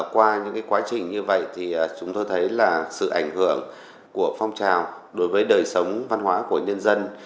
qua những quá trình như vậy thì chúng tôi thấy là sự ảnh hưởng của phong trào đối với đời sống văn hóa của nhân dân